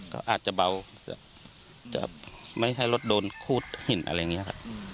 ก็อาจจะเบาจะไม่ให้รถโดนคูดหินอะไรอย่างนี้ครับ